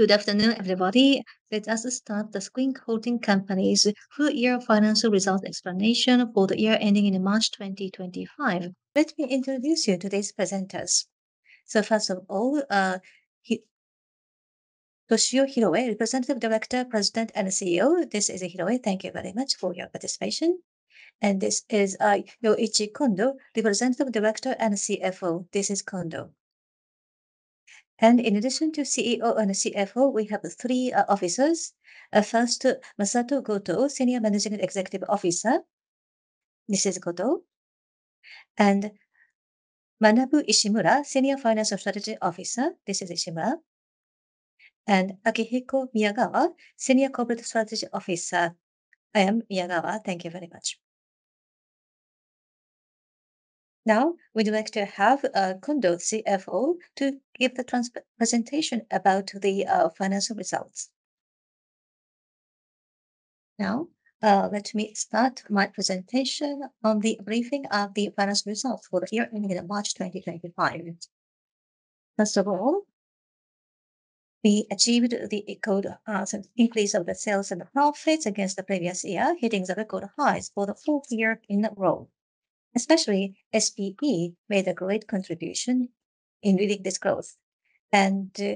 Good afternoon, everybody. Let us start the SCREEN Holdings Akihiko Miyagawa, full-year financial results explanation for the year ending in March 2025. Let me introduce you to today's presenters. First of all, Toshio Hiroe, Representative Director, President, and CEO. This is Hiroe. Thank you very much for your participation. This is Yoichi Kondo, Representative Director and CFO. This is Kondo. In addition to CEO and CFO, we have three officers. First, Masato Goto, Senior Managing Executive Officer. This is Goto. Manabu Ishimura, Senior Financial Strategy Officer. This is Ishimura. Akihiko Miyagawa, Senior Corporate Strategy Officer. I am Miyagawa. Thank you very much. Now, we'd like to have Kondo, CFO, give the presentation about the financial results. Let me start my presentation on the briefing of the financial results for the year ending in March 2025. First of all, we achieved the equal increase of the sales and the profits against the previous year, hitting the record highs for the fourth year in a row. Especially, SBE made a great contribution in leading this growth. The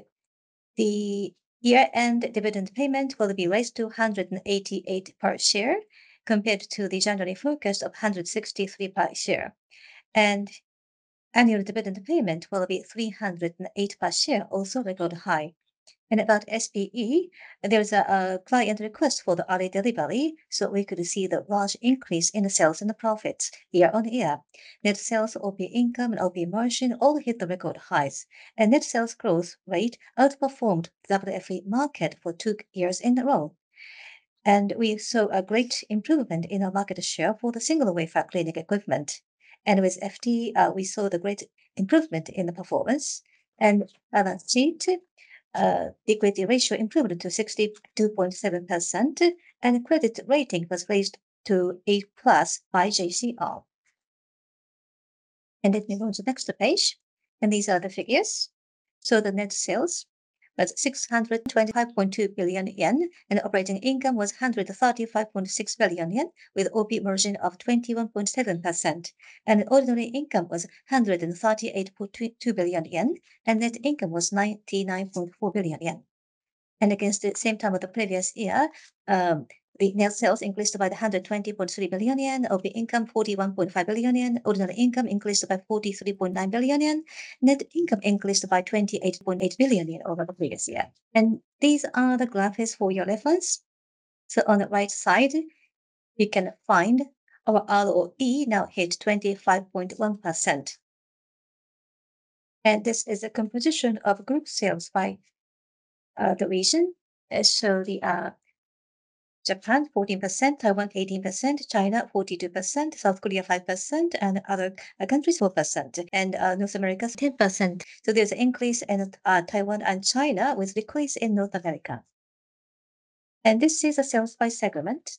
year-end dividend payment will be raised to 288 per share, compared to the January focus of 163 per share. The annual dividend payment will be 308 per share, also record high. About SBE, there is a client request for the early delivery, so we could see the large increase in the sales and the profits year on year. Net sales, OP income, and OP margin all hit the record highs. Net sales growth rate outperformed the WFE market for two years in a row. We saw a great improvement in our market share for the single wafer cleaning equipment. With FD, we saw the great improvement in the performance. The balance sheet, equity ratio improved to 62.7%, and credit rating was raised to A+ by JCR. Let me go to the next page. These are the figures. The net sales was 6025.2 billion yen, and operating income was 135.6 billion yen, with OP margin of 21.7%. Ordinary income was 138.32 billion yen, and net income was 99.4 billion yen. Against the same time of the previous year, the net sales increased by 120.3 billion yen, OP income 41.5 billion yen, ordinary income increased by 43.9 billion yen, net income increased by 28.8 billion yen over the previous year. These are the graphics for your reference. On the right side, we can find our ROE now hit 25.1%. This is the composition of group sales by the region. Japan 14%, Taiwan 18%, China 42%, South Korea 5%, and other countries 4%. North America 10%. There is an increase in Taiwan and China with a decrease in North America. This is the sales by segment.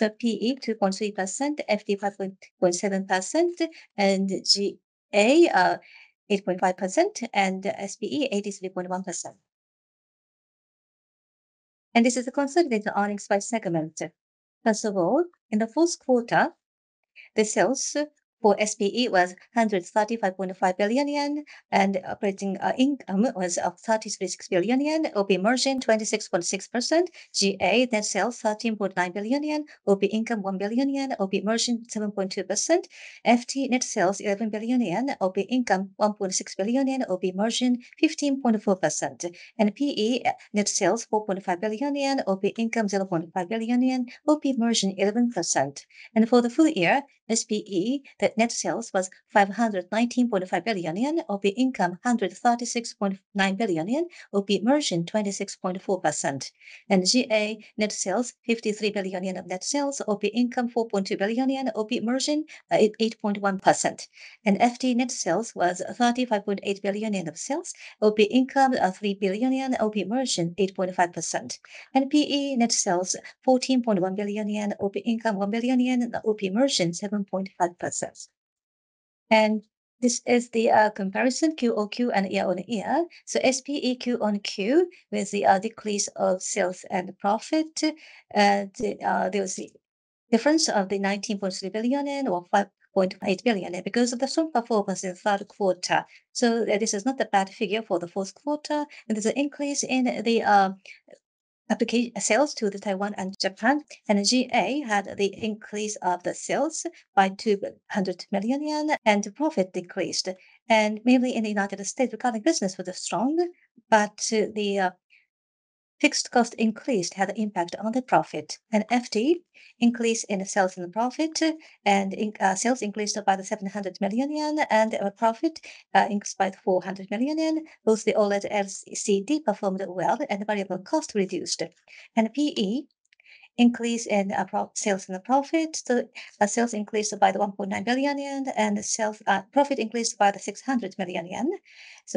PE 2.3%, FD 5.7%, GA 8.5%, and SBE 83.1%. This is the consolidated earnings by segment. First of all, in the fourth quarter, the sales for SBE was 135.5 billion yen, and operating income was 36 billion yen, OP margin 26.6%. GA net sales 13.9 billion yen, OP income 1 billion yen, OP margin 7.2%. FD net sales 11 billion yen, OP income 1.6 billion yen, OP margin 15.4%. PE net sales 4.5 billion yen, OP income 0.5 billion yen, OP margin 11%. For the full year, SBE net sales was 519.5 billion yen, OP income 136.9 billion yen, OP margin 26.4%. GA net sales 53 billion yen of net sales, OP income 4.2 billion yen, OP margin 8.1%. FD net sales was 35.8 billion yen of sales, OP income 3 billion yen, OP margin 8.5%. PE net sales 14.1 billion yen, OP income 1 billion yen, OP margin 7.5%. This is the comparison QOQ and year on year. SPE Q on Q with the decrease of sales and profit. There was the difference of 19.3 billion yen or 5.8 billion yen because of the strong performance in the third quarter. This is not a bad figure for the fourth quarter. There is an increase in the application sales to Taiwan and Japan. GA had the increase of the sales by 200 million yen, and the profit decreased. Mainly in the United States, recovery business was strong, but the fixed cost increase had an impact on the profit. FD increase in sales and profit, and sales increased by 700 million yen, and profit increased by 400 million yen. Both the OLED and LCD performed well, and variable cost reduced. PE increase in sales and profit, sales increased by 1.9 billion yen, and profit increased by 600 million yen.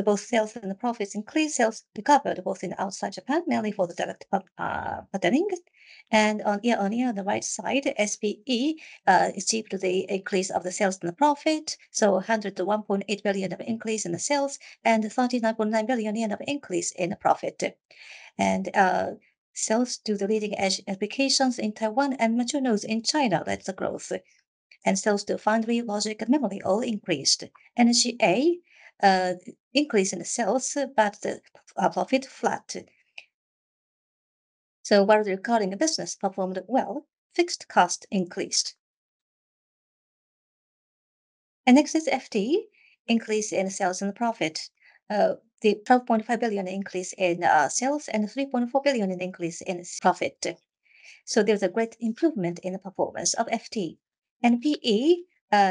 Both sales and profits increased, sales recovered both in outside Japan, mainly for the direct patterning. On year on year, on the right side, SBE achieved the increase of the sales and the profit. 100 million to 1.8 billion of increase in the sales and 39.9 billion yen of increase in the profit. Sales to the leading-edge applications in Taiwan and materials in China led to growth. Sales to foundry, logic, and memory all increased. GA increased in the sales, but the profit flat. While the recovering business performed well, fixed cost increased. Next is FD increase in sales and profit. The 12.5 billion increase in sales and 3.4 billion increase in profit. There is a great improvement in the performance of FD. PE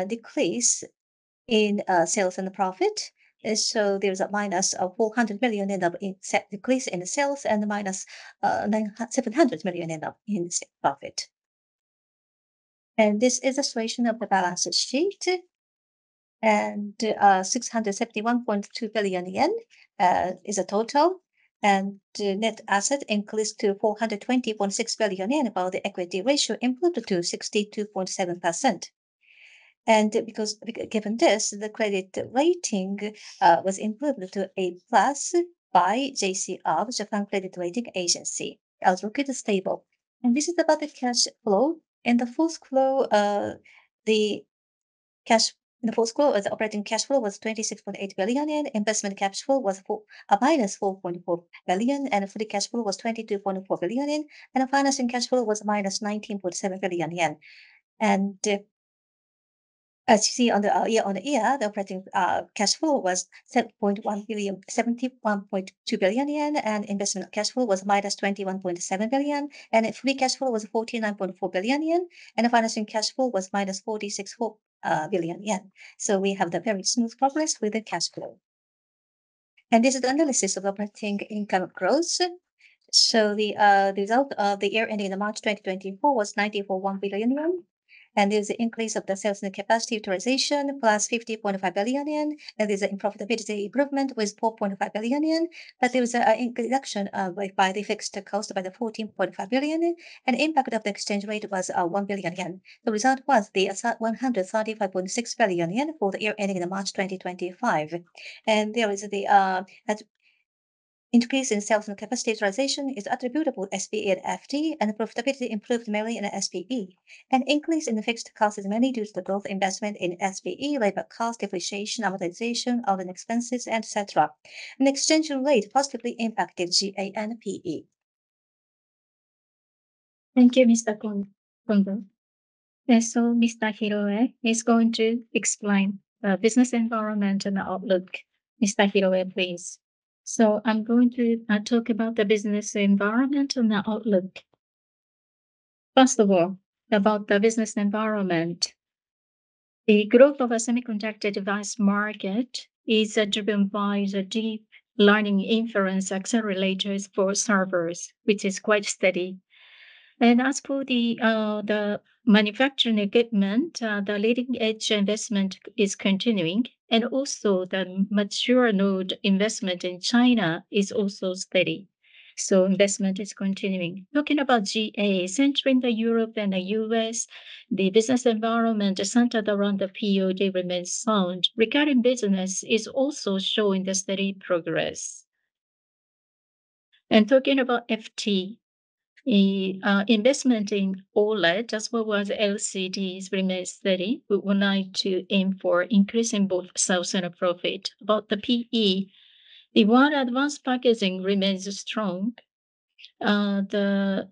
decrease in sales and profit. There is a minus of 400 million in decrease in sales and minus 700 million in profit. This is the situation of the balance sheet. 671.2 billion yen is a total. Net asset increased to 420.6 billion while the equity ratio improved to 62.7%. Given this, the credit rating was improved to A+ by Japan Credit Rating Agency. Outlook is stable. This is about the cash flow. In the fourth flow, the cash in the fourth flow was operating cash flow was 26.8 billion yen. Investment cash flow was minus 4.4 billion. The free cash flow was 22.4 billion yen. The financing cash flow was minus 19.7 billion yen. As you see on the year-on-year, the operating cash flow was 71.2 billion yen. Investment cash flow was minus 21.7 billion. Free cash flow was 49.4 billion yen. The financing cash flow was minus 46.4 billion yen. We have very smooth progress with the cash flow. This is the analysis of operating income growth. The result of the year ending in March 2024 was 94.1 billion yen. There is an increase of the sales and capacity utilization plus 50.5 billion yen. There is a profitability improvement with 4.5 billion yen. There was an introduction by the fixed cost by the 14.5 billion yen. The impact of the exchange rate was 1 billion yen. The result was the 135.6 billion yen for the year ending in March 2025. There is the increase in sales and capacity utilization is attributable to SBE and FD. Profitability improved mainly in SBE. Increase in the fixed cost is mainly due to the growth investment in SBE, labor cost, depreciation, amortization, all in expenses, etc. Exchange rate positively impacted GA and PE. Thank you, Mr. Kondo. Mr. Hiroe is going to explain the business environment and the outlook. Mr. Hiroe, please. I'm going to talk about the business environment and the outlook. First of all, about the business environment. The growth of the semiconductor device market is driven by the deep learning inference accelerators for servers, which is quite steady. As for the manufacturing equipment, the leading-edge investment is continuing. Also, the mature node investment in China is also steady. Investment is continuing. Talking about GA, centering the Europe and the U.S., the business environment centered around the POG remains sound. Recurring business is also showing steady progress. Talking about FT, investment in OLED, as well as LCDs, remains steady. We would like to aim for increasing both sales and profit. About the PE, the one advanced packaging remains strong. The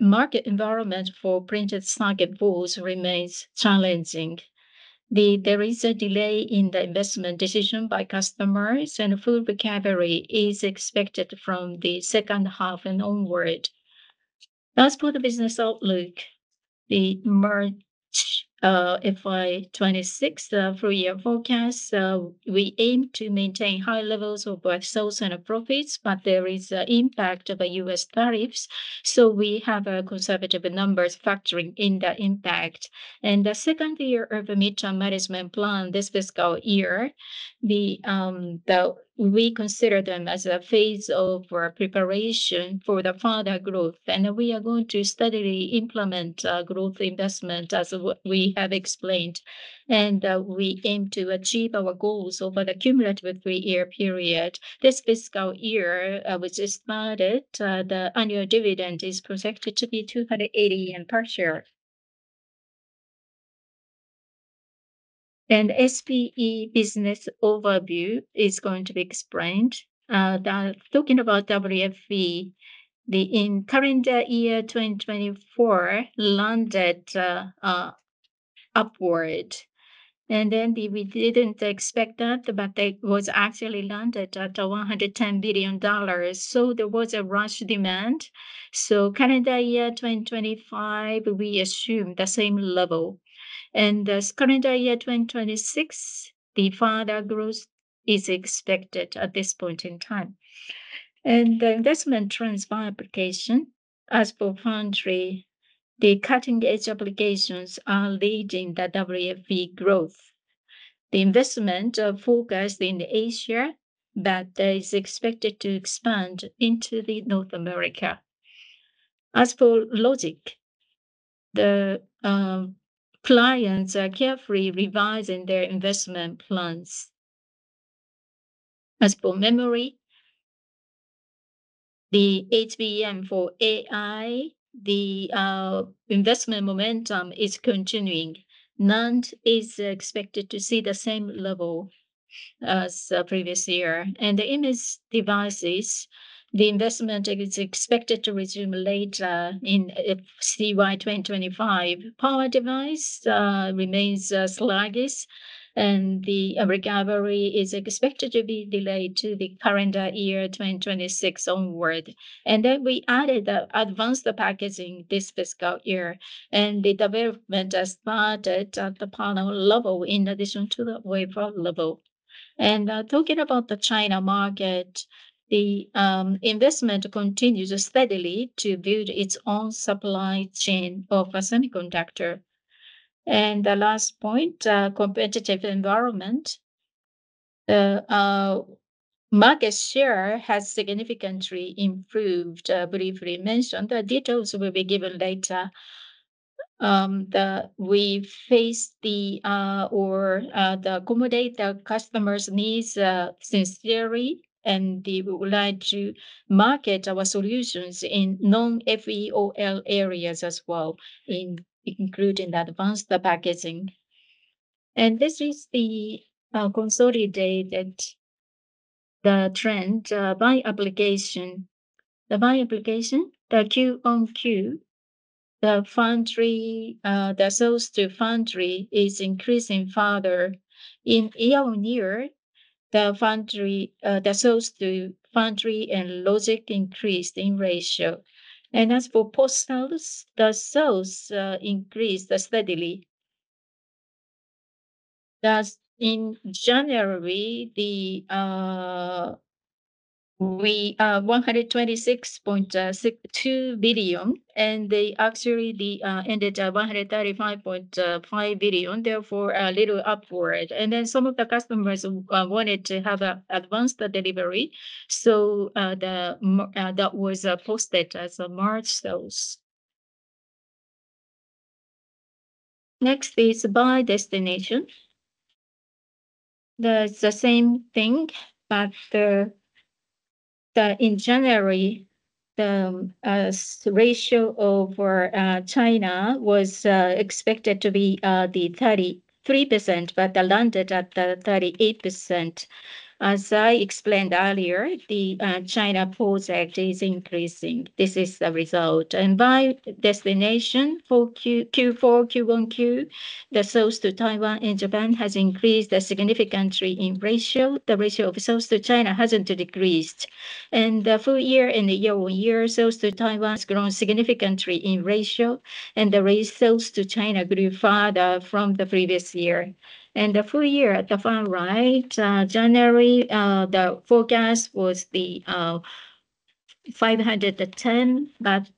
market environment for printed circuit boards remains challenging. There is a delay in the investment decision by customers, and full recovery is expected from the second half and onward. As for the business outlook, the March fiscal year 2026 three-year forecast, we aim to maintain high levels of both sales and profits, but there is an impact of U.S. tariffs. We have conservative numbers factoring in the impact. The second year of a mid-term management plan this fiscal year, we consider them as a phase of preparation for further growth. We are going to steadily implement growth investment as we have explained. We aim to achieve our goals over the cumulative three-year period. This fiscal year, which has started, the annual dividend is projected to be 280 yen per share. SBE business overview is going to be explained. Talking about WFE, the current year 2024 landed upward. It was actually landed at $110 billion. There was a rush demand. Calendar year 2025, we assume the same level. Calendar year 2026, further growth is expected at this point in time. The investment trends by application. As for foundry, the cutting-edge applications are leading the WFE growth. The investment focused in Asia, but is expected to expand into North America. As for logic, the clients are carefully revising their investment plans. As for memory, the HBM for AI, the investment momentum is continuing. NAND is expected to see the same level as previous year. The image devices, the investment is expected to resume later in FCY 2025. Power device remains sluggish, and the recovery is expected to be delayed to the calendar year 2026 onward. We added the advanced packaging this fiscal year, and the development has started at the panel level in addition to the wafer level. Talking about the China market, the investment continues steadily to build its own supply chain of semiconductors. The last point, competitive environment. The market share has significantly improved. Briefly mentioned, the details will be given later. We face or accommodate the customer's needs sincerely, and we would like to market our solutions in non-FEOL areas as well, including the advanced packaging. This is the consolidated trend by application. By application, the Q on Q, the foundry, the sales to foundry is increasing further. In year on year, the foundry, the sales to foundry and logic increased in ratio. As for postals, the sales increased steadily. In January, we are 126.2 billion, and they actually ended at 135.5 billion. Therefore, a little upward. And then some of the customers wanted to have advanced delivery. So that was posted as a March sales. Next is by destination. There is the same thing, but in January, the ratio over China was expected to be 33%, but they landed at 38%. As I explained earlier, the China project is increasing. This is the result. And by destination, Q4, Q1Q, the sales to Taiwan and Japan has increased significantly in ratio. The ratio of sales to China has not decreased. And the full year and the year-on-year sales to Taiwan has grown significantly in ratio, and the sales to China grew further from the previous year. And the full year at the far right, January, the forecast was 510, but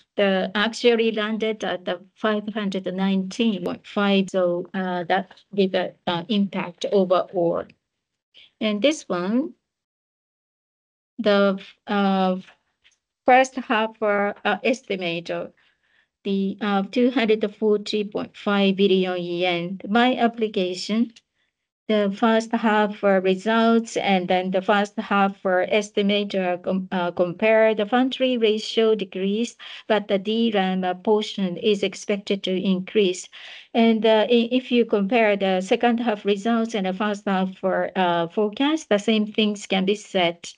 actually landed at 519.5. So that gave an impact overall. This one, the first half estimator, the 240.5 billion yen by application. The first half results and then the first half estimator compared, the foundry ratio decreased, but the DRAM portion is expected to increase. If you compare the second half results and the first half forecast, the same things can be said.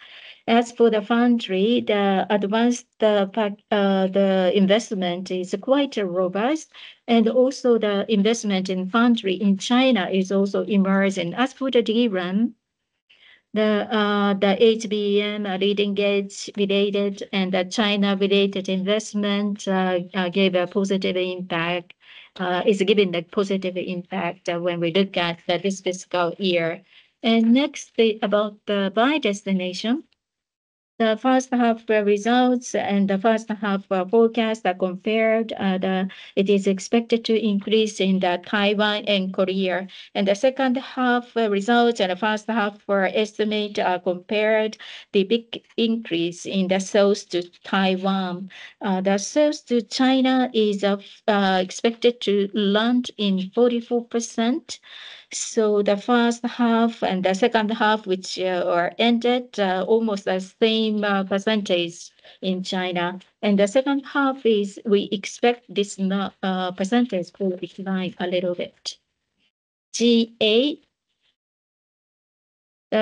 As for the foundry, the advanced investment is quite robust, and also the investment in foundry in China is also emerging. As for the DRAM, the HBM leading-edge related and the China-related investment gave a positive impact. It has given the positive impact when we look at this fiscal year. Next, about the by destination, the first half results and the first half forecast are compared. It is expected to increase in Taiwan and Korea. The second half results and the first half estimate are compared, the big increase in the sales to Taiwan. The sales to China is expected to land in 44%. The first half and the second half, which are ended, almost the same percentage in China. The second half is, we expect this percentage will decline a little bit. GA,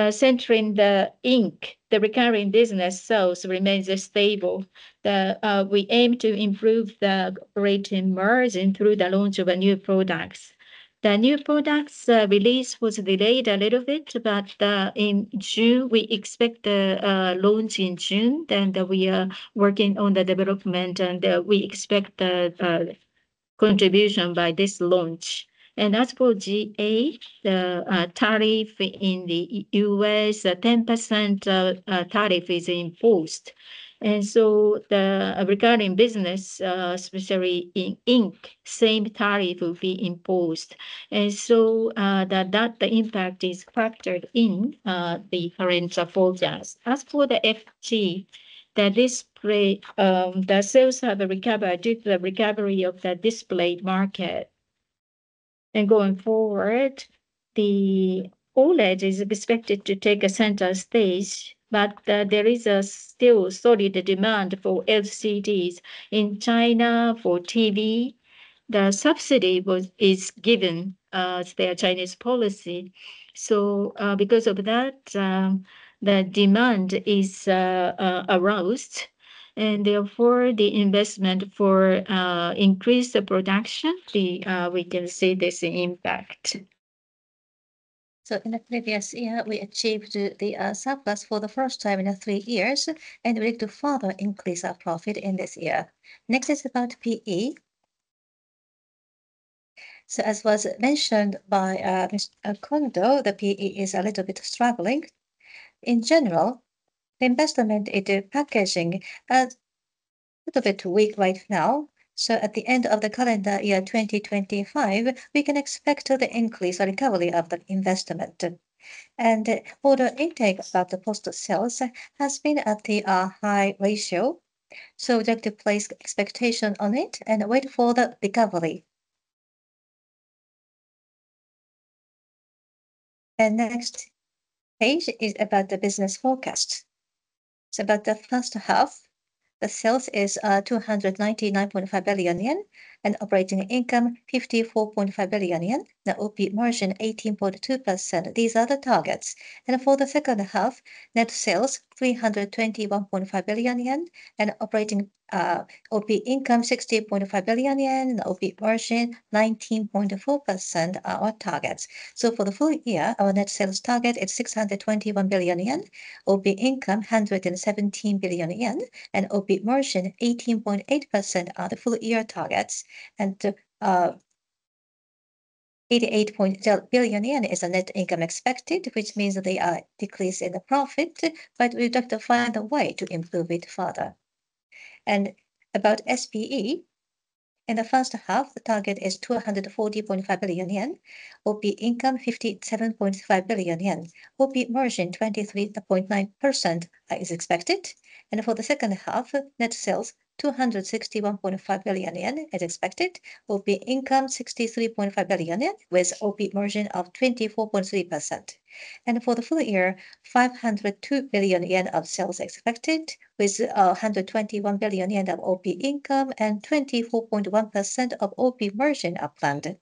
centering the ink, the recurring business sales remains stable. We aim to improve the operating margin through the launch of new products. The new products release was delayed a little bit, but in June, we expect the launch in June. We are working on the development, and we expect the contribution by this launch. As for GA, the tariff in the U.S., a 10% tariff is imposed. The recurring business, especially in ink, same tariff will be imposed. That impact is factored in the current forecast. As for the FT, the sales have recovered due to the recovery of the display market. Going forward, the OLED is expected to take a central stage, but there is still solid demand for LCDs in China for TV. The subsidy is given as their Chinese policy. Because of that, the demand is aroused. Therefore, the investment for increased production. We can see this impact. In the previous year, we achieved the surplus for the first time in three years, and we need to further increase our profit in this year. Next is about PE. As was mentioned by Mr. Kondo, the PE is a little bit struggling. In general, the investment into packaging is a little bit weak right now. At the end of the calendar year 2025, we can expect the increase or recovery of the investment. For the intake about the postal sales, it has been at the high ratio. We would like to place expectation on it and wait for the recovery. The next page is about the business forecast. About the first half, the sales is 299.5 billion yen and operating income 54.5 billion yen. The OP margin is 18.2%. These are the targets. For the second half, net sales are 321.5 billion yen and operating income is 60.5 billion yen and OP margin 19.4% are our targets. For the full year, our net sales target is 621 billion yen, OP income 117 billion yen, and OP margin 18.8% are the full year targets. 88.1 billion yen is net income expected, which means that they are decreasing the profit, but we would like to find a way to improve it further. About SPE, in the first half, the target is 240.5 billion yen, OP income 57.5 billion yen, OP margin 23.9% is expected. For the second half, net sales 261.5 billion yen is expected, OP income 63.5 billion yen with OP margin of 24.3%. For the full year, 502 billion yen of sales expected with 121 billion yen of OP income and 24.1% of OP margin are planned.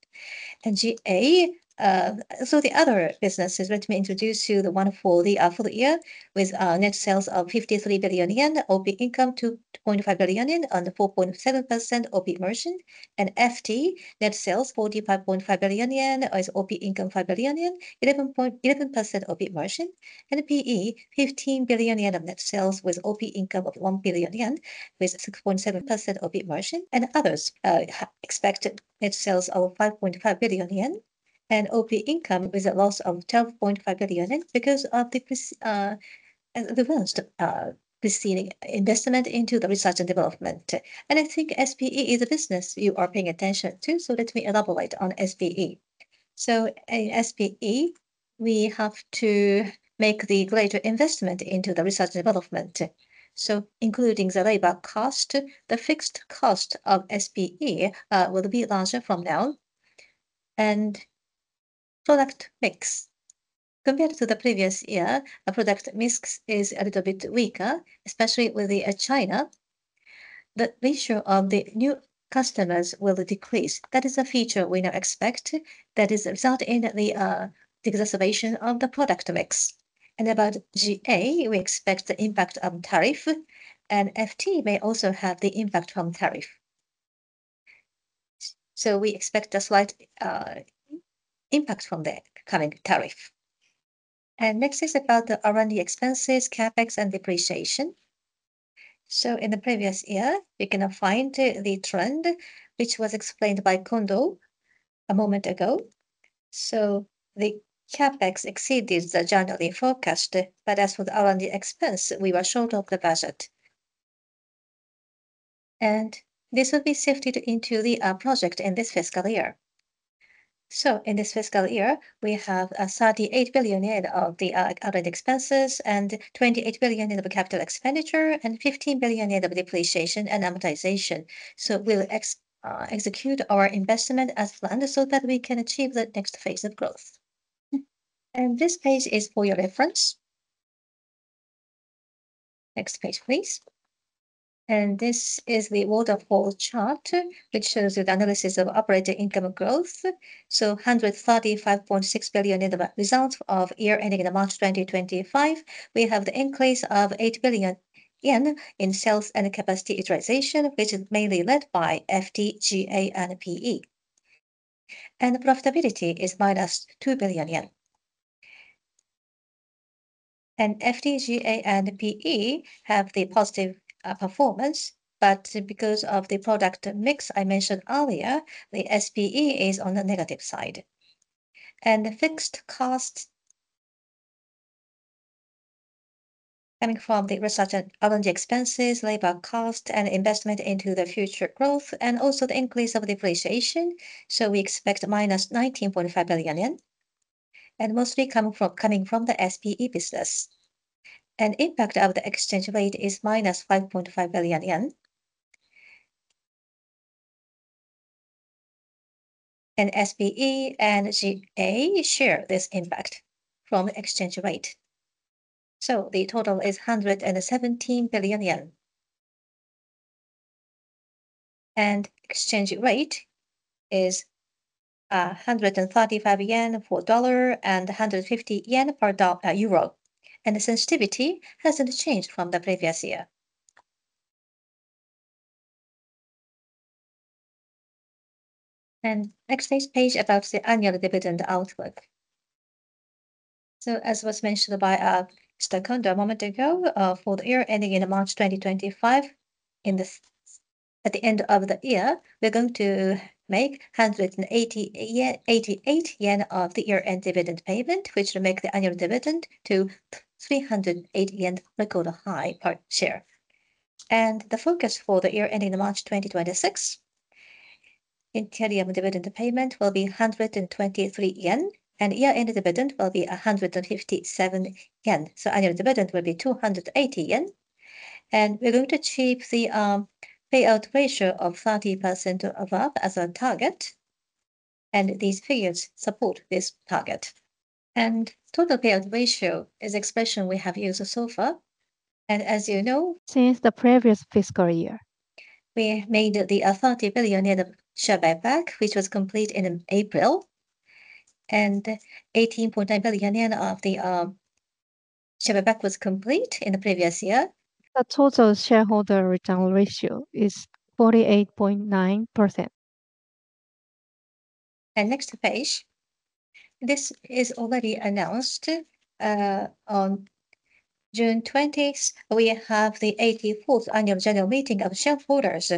GA, so the other businesses, let me introduce you the one for the full year with net sales of 53 billion yen, OP income 2.5 billion yen and 4.7% OP margin. FT, net sales 45.5 billion yen with OP income 5 billion yen, 11% OP margin. PE, 15 billion yen of net sales with OP income of 1 billion yen with 6.7% OP margin. Others expected net sales of 5.5 billion yen and OP income with a loss of 12.5 billion yen because of the reversed investment into the research and development. I think SPE is a business you are paying attention to, so let me elaborate on SPE. In SPE, we have to make the greater investment into the research and development. Including the labor cost, the fixed cost of SPE will be larger from now. Product mix, compared to the previous year, the product mix is a little bit weaker, especially with China. The ratio of the new customers will decrease. That is a feature we now expect that is resulting in the exacerbation of the product mix. About GA, we expect the impact of tariff, and FT may also have the impact from tariff. We expect the slight impact from the coming tariff. Next is about the R&D expenses, CapEx, and depreciation. In the previous year, you can find the trend, which was explained by Kondo a moment ago. The CapEx exceeded the January forecast, but as for the R&D expense, we were short of the budget. This will be shifted into the project in this fiscal year. In this fiscal year, we have 38 billion yen of R&D expenses, 28 billion yen of capital expenditure, and 15 billion yen of depreciation and amortization. We will execute our investment as planned so that we can achieve the next phase of growth. This page is for your reference. Next page, please. This is the waterfall chart, which shows you the analysis of operating income growth. 135.6 billion result of year-ending in March 2025. We have the increase of 8 billion yen in sales and capacity utilization, which is mainly led by FT, GA, and PE. The profitability is minus 2 billion yen. FT, GA, and PE have the positive performance, but because of the product mix I mentioned earlier, the SPE is on the negative side. The fixed costs coming from the research and R&D expenses, labor cost, and investment into the future growth, and also the increase of depreciation. We expect minus 19.5 billion yen, and mostly coming from the SPE business. The impact of the exchange rate is minus 5.5 billion yen. SPE and GA share this impact from the exchange rate. The total is 117 billion. The exchange rate is 135 yen for dollar and 150 yen for euro. The sensitivity has not changed from the previous year. Next is the page about the annual dividend outlook. As was mentioned by Mr. Kondo a moment ago, for the year ending in March 2025, at the end of the year, we are going to make 188 yen of the year-end dividend payment, which will make the annual dividend 308 yen, a record high per share. The focus for the year ending in March 2026, the interim dividend payment will be 123 yen, and year-end dividend will be 157 yen. The annual dividend will be 280 yen. We are going to achieve the payout ratio of 30% above as a target. These figures support this target. The total payout ratio is the expression we have used so far. As you know, since the previous fiscal year, we made the 30 billion yen share buyback, which was complete in April. 18.9 billion yen of the share buyback was complete in the previous year. The total shareholder return ratio is 48.9%. Next page. This is already announced on June 20th. We have the 84th annual general meeting of shareholders.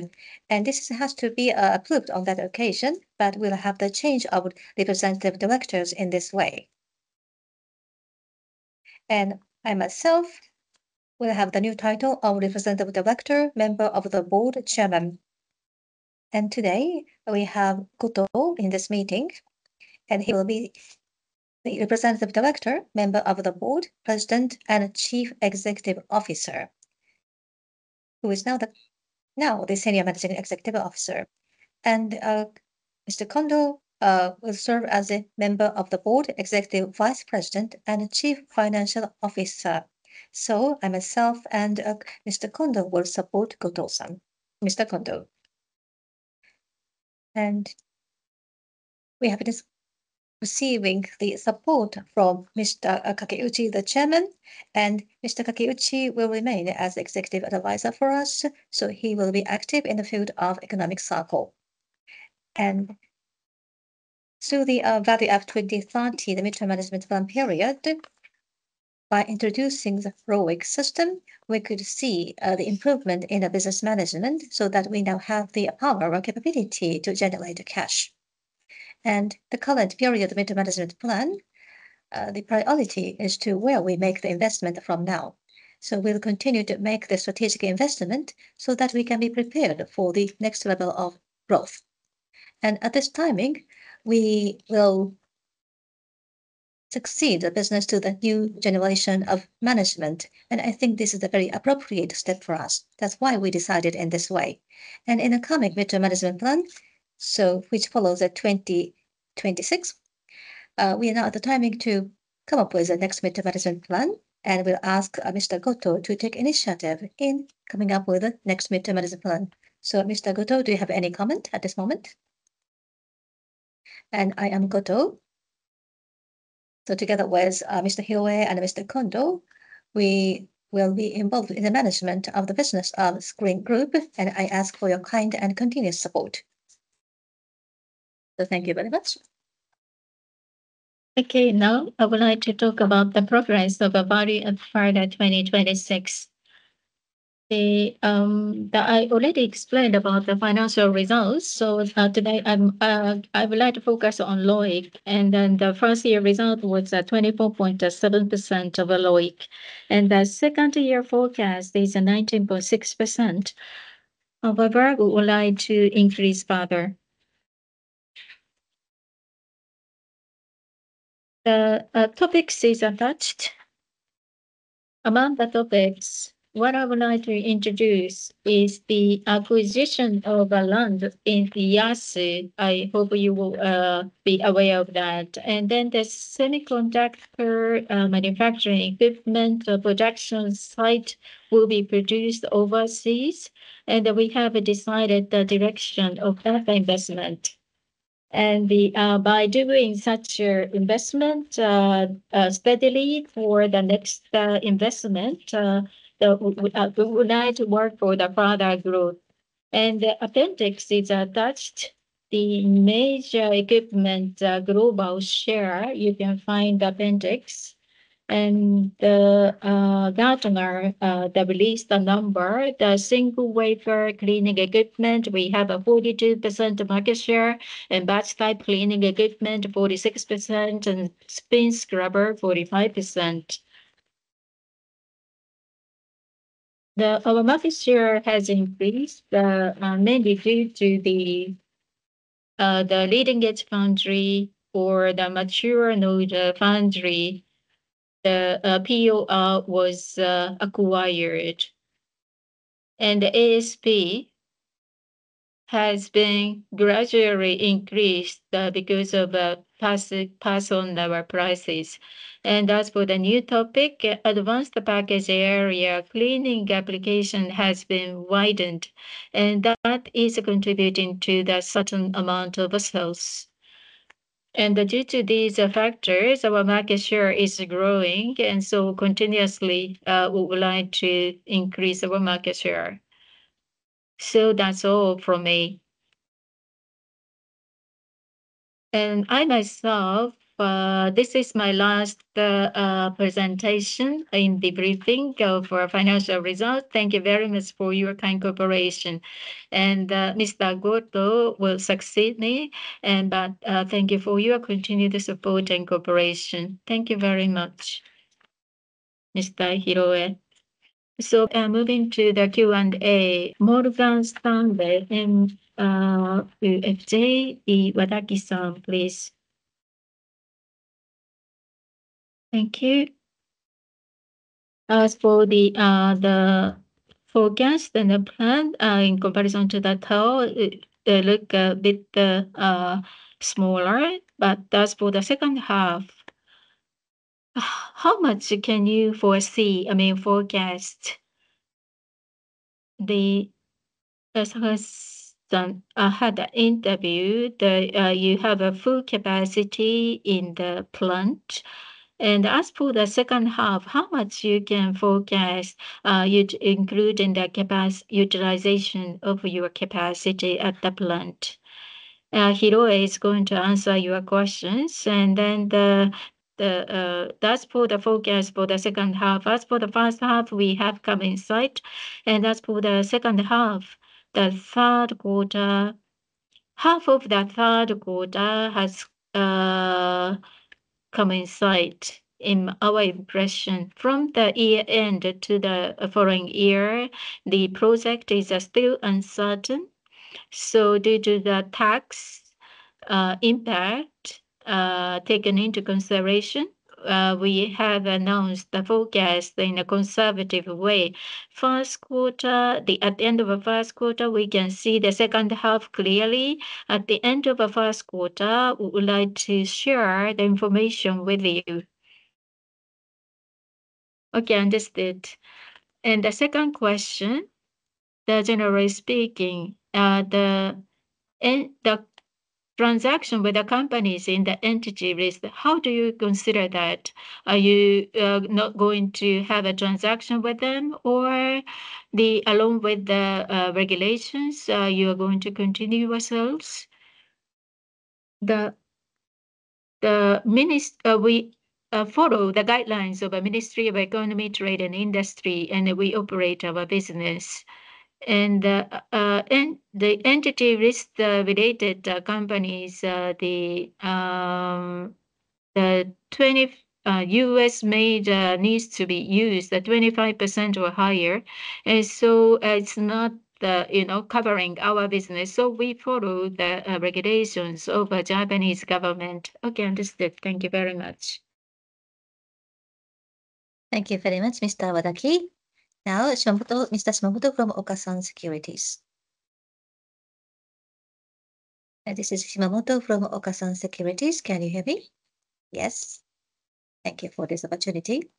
This has to be approved on that occasion, but we will have the change of representative directors in this way. I myself will have the new title of Representative Director, Member of the Board, Chairman. Today we have Goto in this meeting, and he will be the Representative Director, Member of the Board, President, and Chief Executive Officer, who is now the Senior Managing Executive Officer. Mr. Kondo will serve as a Member of the Board, Executive Vice President, and Chief Financial Officer. I myself and Mr. Kondo will support Goto-san. Mr. Kondo. We have been receiving the support from Mr.Kakeuchi, the Chairman, and Mr. Kakeuchi will remain as Executive Advisor for us. He will be active in the field of economic cycle. Through the value of 2030, the mutual management plan period, by introducing the ROIC system, we could see the improvement in the business management so that we now have the power or capability to generate cash. The current period of interim management plan, the priority is to where we make the investment from now. We will continue to make the strategic investment so that we can be prepared for the next level of growth. At this timing, we will succeed the business to the new generation of management. I think this is a very appropriate step for us. That is why we decided in this way. In the coming mutual management plan, which follows 2026, we are now at the timing to come up with the next mutual management plan, and we will ask Mr. Goto to take initiative in coming up with the next mutual management plan. Mr. Goto, do you have any comment at this moment? I am Goto. Together with Mr. Hiroe and Mr. Kondo, we will be involved in the management of the business of SCREEN Group, and I ask for your kind and continuous support. Thank you very much. Now I would like to talk about the progress of Value at Friday 2026. I already explained about the financial results. Today I would like to focus on ROIC, and the first year result was 24.7% of ROIC, and the second year forecast is 19.6%. However, we would like to increase further. The topics is attached. Among the topics, what I would like to introduce is the acquisition of land in the Yasu. I hope you will be aware of that. The semiconductor manufacturing equipment production site will be produced overseas, and we have decided the direction of that investment. By doing such an investment steadily for the next investment, we would like to work for the further growth. The appendix is attached. The major equipment global share, you can find the appendix, and Gartner released the number, the single wafer cleaning equipment, we have a 42% market share, and batch type cleaning equipment, 46%, and spin scrubber, 45%. Our market share has increased, mainly due to the leading edge foundry or the mature node foundry. The POR was acquired, and the ASP has been gradually increased because of pass-on level prices. As for the new topic, advanced packaging area cleaning application has been widened, and that is contributing to a certain amount of sales. Due to these factors, our market share is growing, and we would like to continuously increase our market share. That is all from me. I myself, this is my last presentation in the briefing of financial results. Thank you very much for your kind cooperation. Mr. Goto will succeed me, but thank you for your continued support and cooperation. Thank you very much, Mr. Hiroe. Moving to the Q&A. Morgan Stanley MUFG, Wadaki-san, please. Thank you. As for the forecast and the plan in comparison to the total, they look a bit smaller, but as for the second half, how much can you foresee, I mean, forecast? The person I had interviewed, you have a full capacity in the plant. As for the second half, how much you can forecast, including the utilization of your capacity at the plant? Hiroe is going to answer your questions. As for the forecast for the second half, as for the first half, we have come in sight. As for the second half, the third quarter, half of the third quarter has come in sight in our impression. From the year-end to the following year, the project is still uncertain. Due to the tax impact taken into consideration, we have announced the forecast in a conservative way. First quarter, at the end of the first quarter, we can see the second half clearly. At the end of the first quarter, we would like to share the information with you. Okay, understood. The second question, generally speaking, the transaction with the companies in the entity list, how do you consider that? Are you not going to have a transaction with them or along with the regulations? You are going to continue your sales? The ministry, we follow the guidelines of the Ministry of Economy, Trade and Industry, and we operate our business. The entity list-related companies, the 20 U.S. major needs to be used, the 25% or higher. It is not covering our business. We follow the regulations of the Japanese government. Okay, understood. Thank you very much. Thank you very much, Mr. Wadaki. Now, Mr. Shimamoto from Okasan Securities. This is Shimamoto from Okasan Securities. Can you hear me? Yes. Thank you for this opportunity.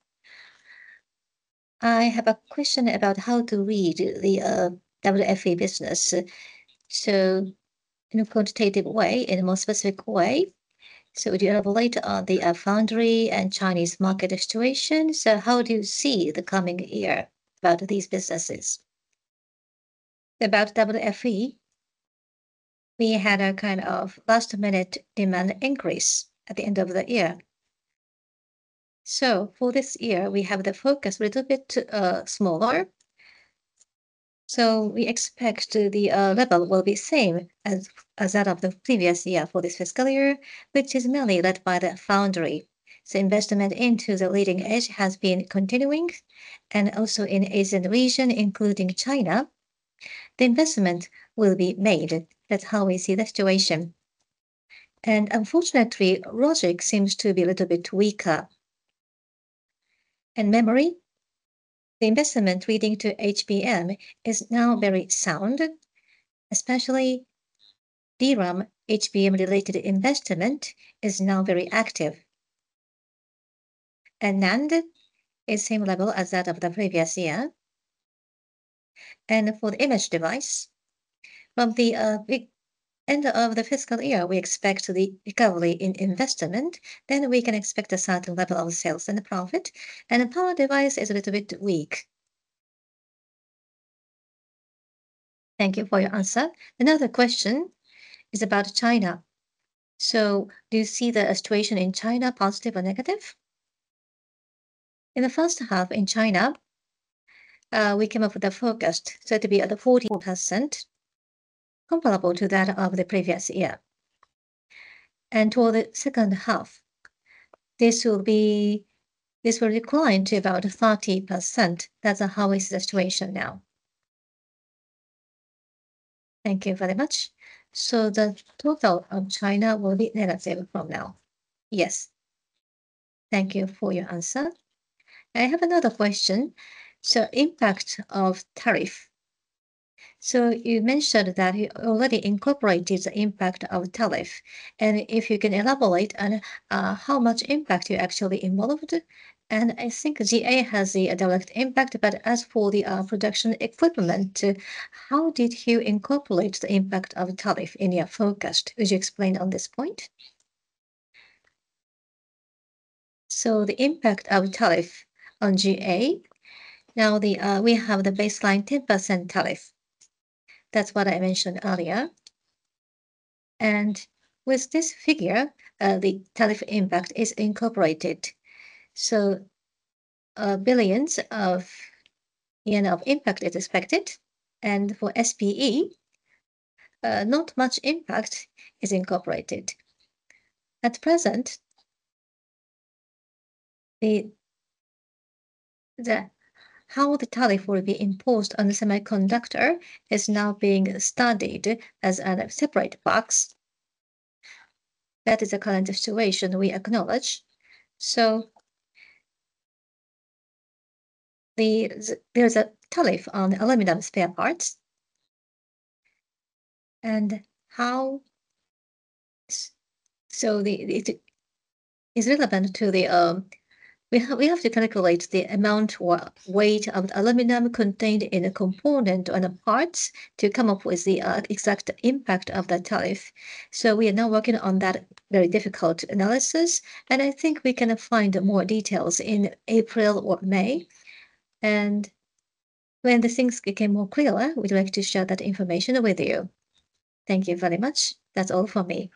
I have a question about how to read the WFE business. In a quantitative way, in a more specific way. Would you have a look at the foundry and Chinese market situation? How do you see the coming year about these businesses? About WFE, we had a kind of last-minute demand increase at the end of the year. For this year, we have the focus a little bit smaller. We expect the level will be the same as that of the previous year for this fiscal year, which is mainly led by the foundry. Investment into the leading edge has been continuing. Also in the Asian region, including China, the investment will be made. That's how we see the situation. Unfortunately, logic seems to be a little bit weaker. Memory, the investment leading to HBM is now very sound, especially DRAM HBM-related investment is now very active. NAND is the same level as that of the previous year. For the image device, from the end of the fiscal year, we expect the recovery in investment. We can expect a certain level of sales and profit. The power device is a little bit weak. Thank you for your answer. Another question is about China. Do you see the situation in China as positive or negative? In the first half in China, we came up with the forecast set to be at 40%, comparable to that of the previous year. For the second half, this will decline to about 30%. That is the situation now. Thank you very much. The total of China will be negative from now. Yes. Thank you for your answer. I have another question. The impact of tariff. You mentioned that you already incorporated the impact of tariff. If you can elaborate on how much impact you actually involved. I think GA has a direct impact, but as for the production equipment, how did you incorporate the impact of tariff in your forecast? Would you explain on this point? The impact of tariff on GA, now we have the baseline 10% tariff. That is what I mentioned earlier. With this figure, the tariff impact is incorporated. Billions of JPY of impact is expected. For SPE, not much impact is incorporated. At present, how the tariff will be imposed on the semiconductor is now being studied as a separate box. That is the current situation we acknowledge. There is a tariff on aluminum spare parts. It is relevant that we have to calculate the amount or weight of the aluminum contained in a component or in a part to come up with the exact impact of the tariff. We are now working on that very difficult analysis. I think we can find more details in April or May. When things become more clear, we would like to share that information with you. Thank you very much. That is all for me.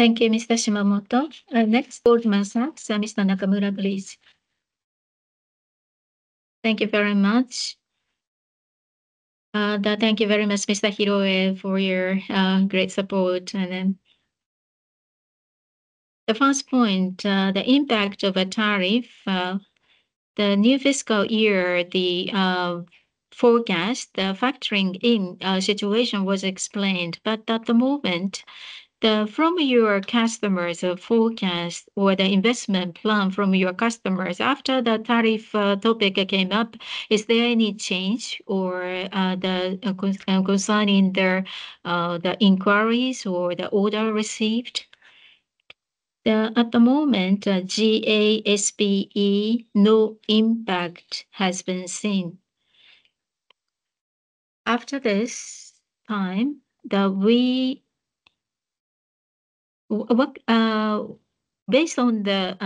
Thank you, Mr. Shimamoto. Next, board members. Mr. Nakamura, please. Thank you very much. Thank you very much, Mr. Hiroe, for your great support. The first point, the impact of a tariff, the new fiscal year, the forecast, the factoring in situation was explained. At the moment, from your customers' forecast or the investment plan from your customers, after the tariff topic came up, is there any change or concern in the inquiries or the order received? At the moment, no impact has been seen. After this time, based on the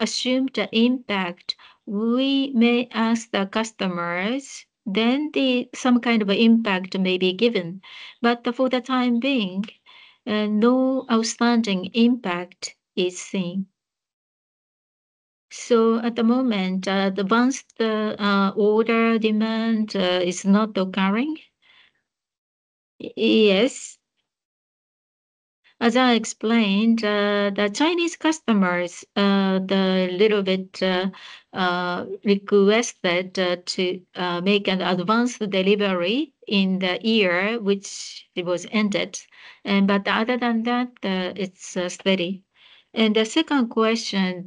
assumed impact, we may ask the customers, then some kind of impact may be given. For the time being, no outstanding impact is seen. At the moment, advanced order demand is not occurring. Yes. As I explained, the Chinese customers a little bit requested to make an advanced delivery in the year, which was ended. Other than that, it is steady. The second question,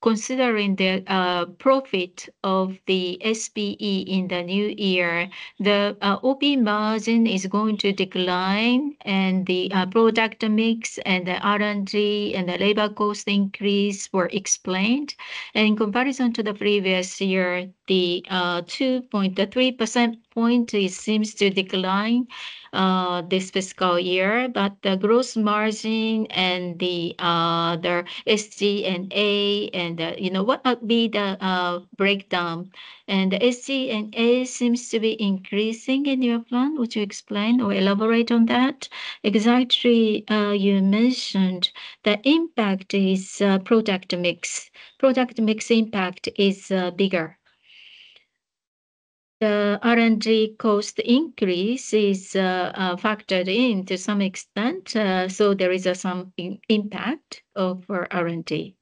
considering the profit of the SPE in the new year, the OP margin is going to decline, and the product mix and the R&D and the labor cost increase were explained. In comparison to the previous year, the 2.3% point seems to decline this fiscal year. The gross margin and the SG&A and what might be the breakdown. The SG&A seems to be increasing in your plan. Would you explain or elaborate on that? Exactly, you mentioned the impact is product mix. Product mix impact is bigger. The R&D cost increase is factored in to some extent. There is some impact of R&D.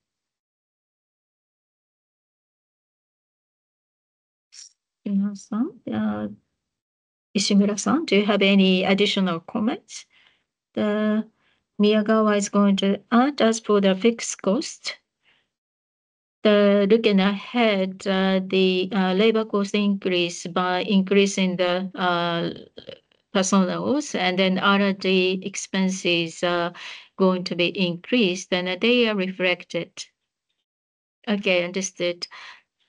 Do you have any additional comments? Miyagawa is going to add as for the fixed cost. Looking ahead, the labor cost increase by increasing the personnel and then R&D expenses going to be increased, and they are reflected. Okay, understood.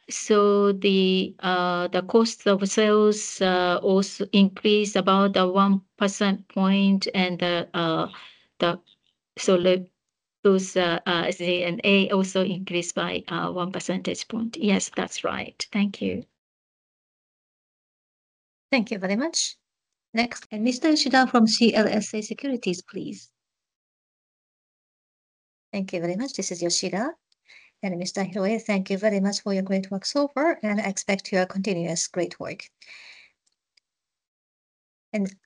The cost of sales also increased about the 1% point, and those SG&A also increased by 1 percentage point. Yes, that's right. Thank you. Thank you very much. Next, Mr. Yoshida from CLSA Securities, please. Yoshida from CLSA Securities, please. Thank you very much. This is Yoshida. Mr. Hiroe, thank you very much for your great work so far, and I expect your continuous great work.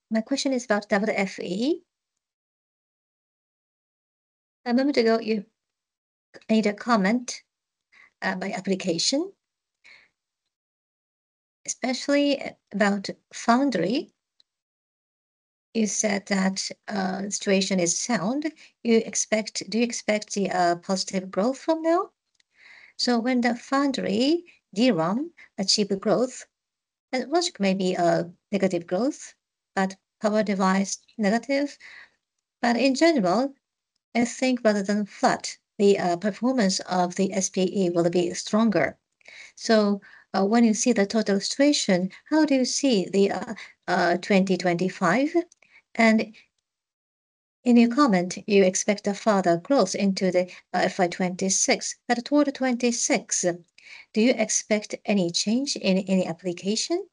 My question is about WFE. A moment ago, you made a comment. By application, especially about foundry, you said that the situation is sound. Do you expect positive growth from now? When the foundry, DRAM, achieve growth, then logic may be a negative growth, but power device negative. In general, I think rather than flat, the performance of the SPE will be stronger. When you see the total situation, how do you see the 2025? In your comment, you expect a further growth into the fiscal year 2026. Toward 2026, do you expect any change in any application?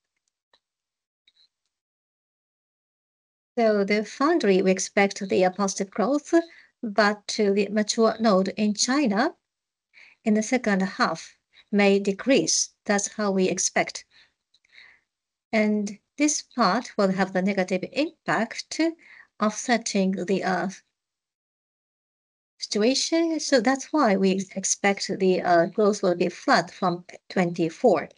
The foundry, we expect the positive growth, but the mature node in China in the second half may decrease. That is how we expect. This part will have the negative impact of setting the situation. That is why we expect the growth will be flat from 2024.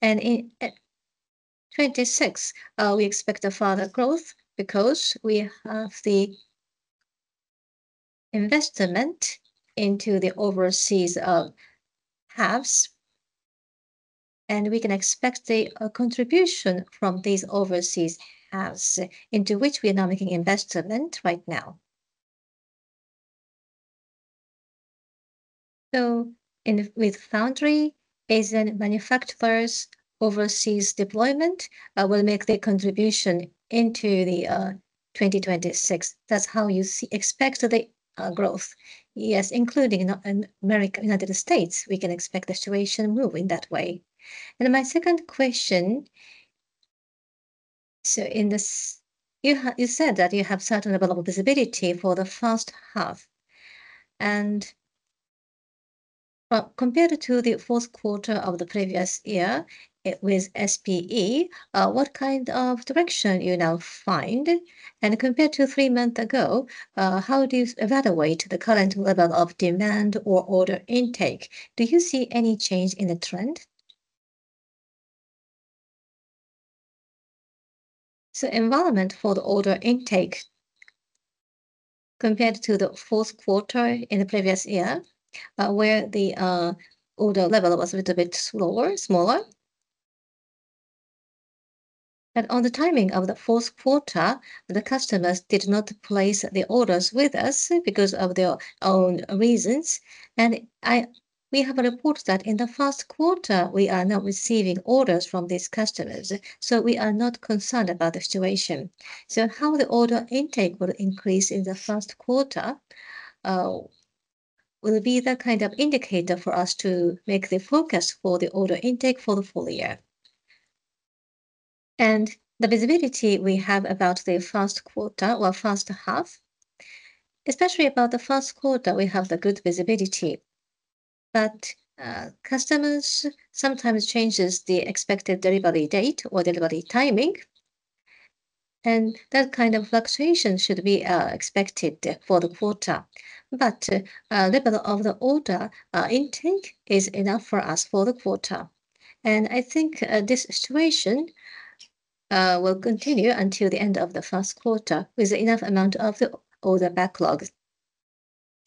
In 2026, we expect a further growth because we have the investment into the overseas halves. We can expect the contribution from these overseas halves into which we are now making investment right now. With foundry, Asian manufacturers, overseas deployment will make their contribution into 2026. That is how you expect the growth. Yes, including the United States, we can expect the situation moving that way. My second question, in this, you said that you have certain available visibility for the first half. Compared to the fourth quarter of the previous year with SPE, what kind of direction do you now find? Compared to three months ago, how do you evaluate the current level of demand or order intake? Do you see any change in the trend? The environment for the order intake compared to the fourth quarter in the previous year, where the order level was a little bit slower, smaller. On the timing of the fourth quarter, the customers did not place the orders with us because of their own reasons. We have a report that in the first quarter, we are not receiving orders from these customers. We are not concerned about the situation. How the order intake will increase in the first quarter will be the kind of indicator for us to make the focus for the order intake for the full year. The visibility we have about the first quarter or first half, especially about the first quarter, we have good visibility. Customers sometimes change the expected delivery date or delivery timing, and that kind of fluctuation should be expected for the quarter. The level of the order intake is enough for us for the quarter. I think this situation will continue until the end of the first quarter with enough amount of the order backlog.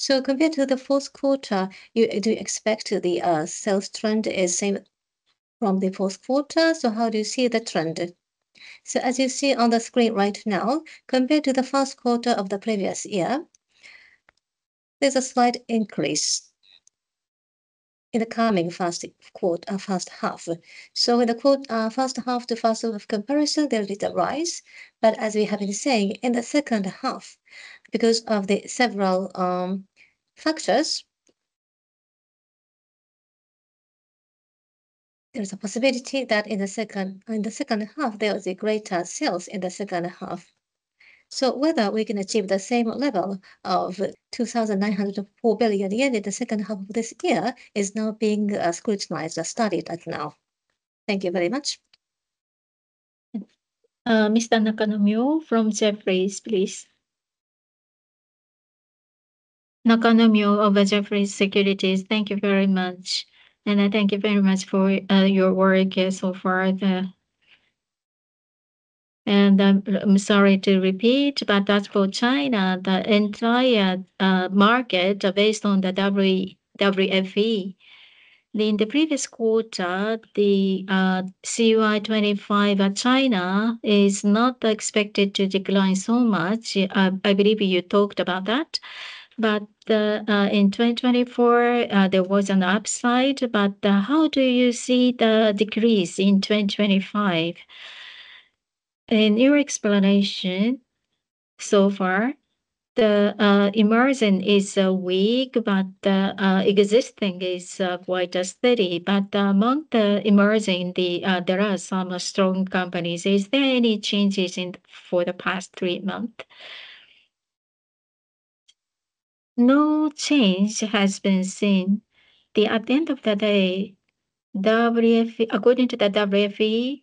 Compared to the fourth quarter, do you expect the sales trend is the same from the fourth quarter? How do you see the trend? As you see on the screen right now, compared to the first quarter of the previous year, there is a slight increase in the coming first quarter, first half. In the quarter first half, the first half of comparison, there is a rise. As we have been saying, in the second half, because of several factors, there is a possibility that in the second half, there are greater sales in the second half. Whether we can achieve the same level of 2,904 billion yen in the second half of this year is now being scrutinized or studied right now. Thank you very much. Mr. Nakano Mio from Jefferies, please. Nakano Mio over at Jefferies Securities. Thank you very much. I thank you very much for your work so far. I am sorry to repeat, but that is for China, the entire market based on the WFE. In the previous quarter, the CUI25 China is not expected to decline so much. I believe you talked about that. In 2024, there was an upside. How do you see the decrease in 2025? In your explanation so far, the emerging is weak, but the existing is quite steady. Among the emerging, there are some strong companies. Is there any changes for the past three months? No change has been seen. At the end of the day, according to the WFE,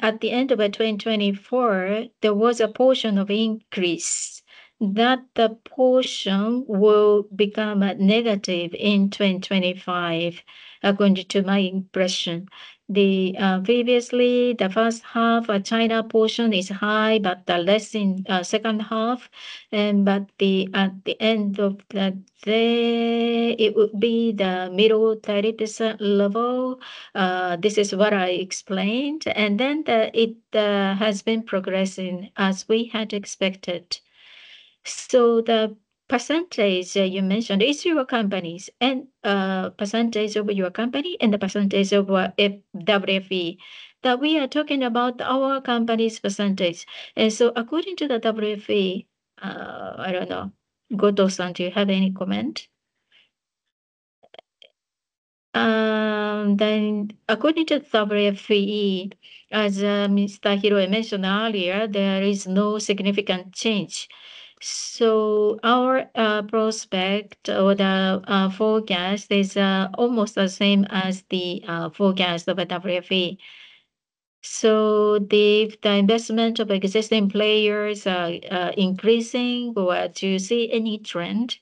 at the end of 2024, there was a portion of increase. That portion will become negative in 2025, according to my impression. Previously, the first half of China portion is high, but less in the second half. At the end of the day, it would be the middle 30% level. This is what I explained. It has been progressing as we had expected. The percentage you mentioned, it's your companies and percentage of your company and the percentage of WFE. We are talking about our company's percentage. According to the WFE, I do not know, Goto-san, do you have any comment? According to the WFE, as Mr. Hiroe mentioned earlier, there is no significant change. Our prospect or the forecast is almost the same as the forecast of the WFE. The investment of existing players is increasing. Do you see any trend?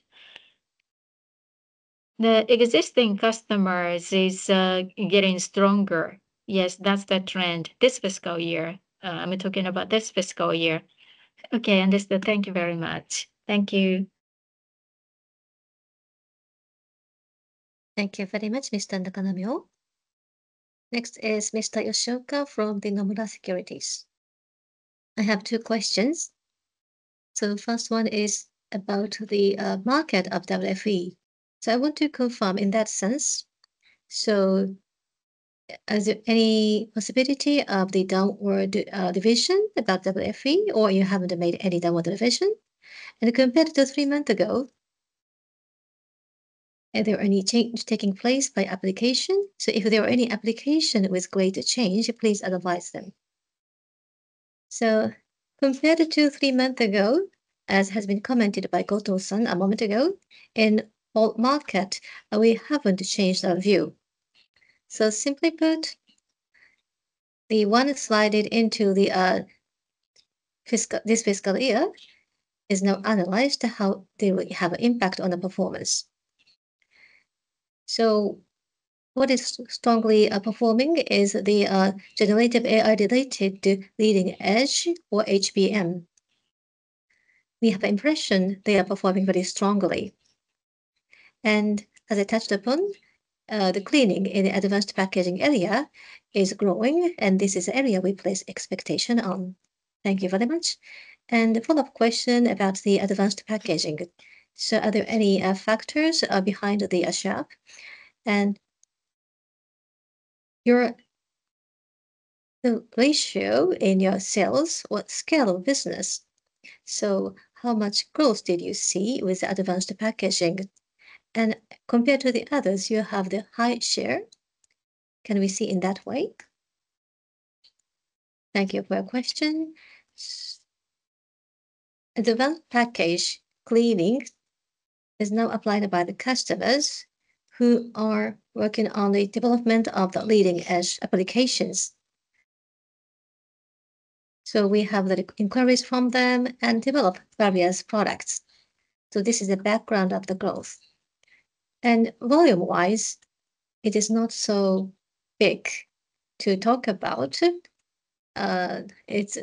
The existing customers are getting stronger. Yes, that is the trend this fiscal year. I am talking about this fiscal year. Okay, understood. Thank you very much. Thank you. Thank you very much, Mr. Nakano Mio. Next is Mr. Yoshida from Nomura Securities. I have two questions. The first one is about the market of WFE. I want to confirm in that sense. Is there any possibility of the downward division about WFE, or you have not made any downward division? Compared to three months ago, is there any change taking place by application? If there are any applications with greater change, please advise them. Compared to three months ago, as has been commented by Goto-san a moment ago, in all markets, we have not changed our view. Simply put, the one slided into this fiscal year is now analyzed to how they will have an impact on the performance. What is strongly performing is the generative AI-related leading edge or HBM. We have an impression they are performing very strongly. As I touched upon, the cleaning in the advanced packaging area is growing, and this is an area we place expectations on. Thank you very much. The follow-up question about the advanced packaging. Are there any factors behind the sharp? Your ratio in your sales or scale of business. How much growth did you see with advanced packaging? Compared to the others, you have the high share. Can we see in that way? Thank you for your question. The advanced packaging cleaning is now applied by the customers who are working on the development of the leading edge applications. We have the inquiries from them and develop various products. This is the background of the growth. Volume-wise, it is not so big to talk about. It is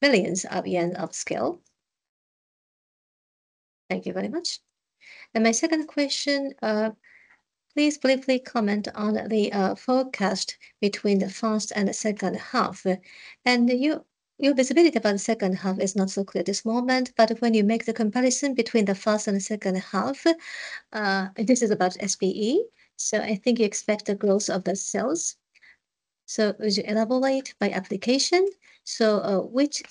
millions of JPY of scale. Thank you very much. My second question, please briefly comment on the forecast between the first and the second half. Your visibility about the second half is not so clear at this moment, but when you make the comparison between the first and the second half, this is about SBE. I think you expect the growth of the sales. Would you elaborate by application? Which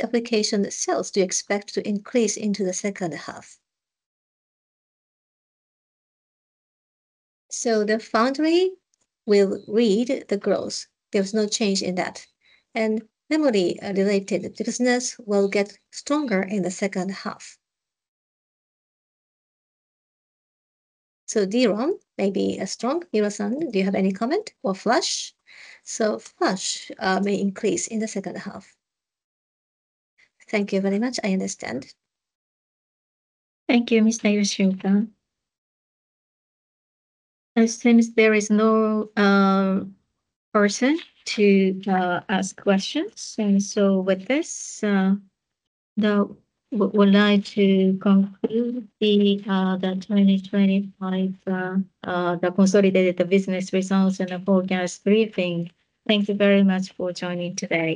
application sales do you expect to increase into the second half? The foundry will lead the growth. There is no change in that. Memory-related business will get stronger in the second half. So DRAM may be strong. Miura-san, do you have any comment or flash? Flash may increase in the second half. Thank you very much. I understand. Thank you, Mr. Yoshida. Since there is no person to ask questions, with this, I would like to conclude the 2025 consolidated business results and the forecast briefing. Thank you very much for joining today.